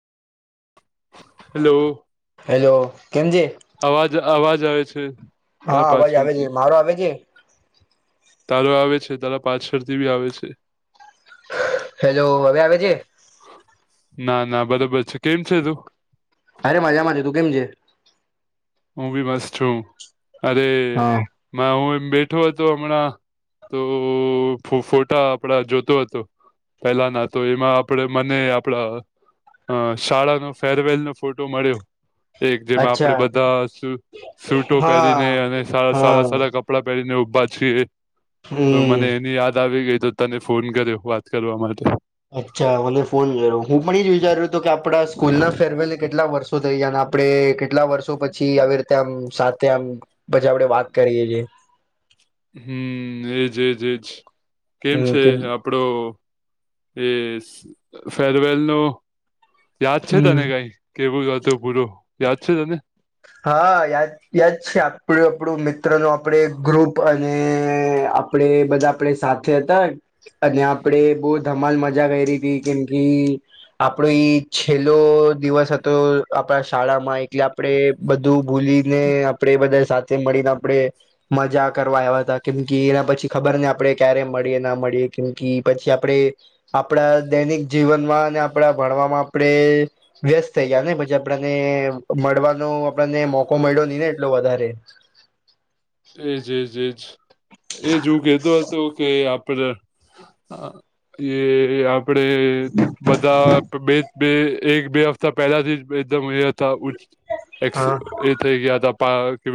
Hello hello, કેમ છે? અવાજ અવાજ આવે છે, હા તારા અવાજ આવે છે પાછળથી. મારો આવે છે તારો આવે છે, તારા પાછળથી બી આવે છે. હેલો, અવે આવે છે? ના ના બરોબર છે, કેમ છે તું? અરે મજામાં છું, તું કેમ છે? હું બી મસ્ત છું, અરે! હા મા હું એમ બેઠો હતો હમણાં. તો ફો ફોટા આપડા જોતો હતો. પેલાના, તો એમાં આપડે મને આપડા અ શાળાનો ફેરવેલ નો ફોટો મળ્યો. એક, જેમાં આપડે અચ્છા બધા, સુ સૂટો હા પહેરીને અને સારા હા સારા કપ ડાં પહેરીને ઊભા છીએ, તો હમ મને એની યાદ આવી ગઈ, તો તને ફોન કર્યો, વાત કરવા માટે. અચ્છા મને ફોન કર્યો, હું પણ ઇજ વિચાર્યું તો કે આપડા સ્કૂલ ના ફેરવેલ ને કેટલા વર્ષો થઈ ગયા ને આપ આપડે કેટલા વર્ષો પછી આવી રીતે આમ સાથે આમ પછી આપડે વાત કરીએ છીએ. હમ્મ, એજ એજ એજ, કેમ છે હમ આપ પડો એસ ફેરવેલ નો યાદ છે હમ તને કાઈ? કેવું હતુ પૂરો, યાદ છે તને? હા યાદ યાદ છે, આપડું આપણું મિત્ર નુ આપડે ગ્રુપ, અને આપ પડે બધા આપડે સાથે હતા, અને આપડે બહુ ધમાલ મ જા રેરીથી કેમકી આપણો ઈ છેલ્લો દિવસ હતો, આપડા શાળામાં, એટલે આપડે બધું ભૂલીને આપડે બધા સાથે મળીને આપડે મજા કરવા આવ્યા હતા, કેમકી એના પછી ખબર નહી આપડે ક્યારે મળીએ ના મળીએ, કેમ કી પછી આપડે આપણા દૈનિક જીવનમાં, ઓ અને આપણા ભણવામાં આપણે વ્યસ્ત થઇ ગયા ને, પછી આપણને મળવાનો આપણને મોકો મળ્યો નહીને એટલો વધારે. એજ એજ એજ, એજ હું કેતો હતો કે, આપડ હા એ આપડે બધા બે બે એક બે હપ્તા પહેલાથી જ એકદમ એ હતા એ હા એ થ કે પા